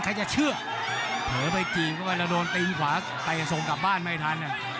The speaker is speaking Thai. เผลอไปกรีบเข้าไปแล้วโดนตีนขวาแต่ส่งกลับบ้านไม่ทัน